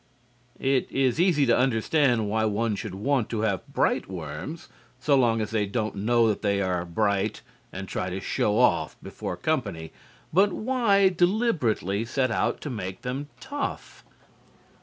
It is easy to understand why one should want to have bright worms, so long as they don't know that they are bright and try to show off before company, but why deliberately set out to make them tough?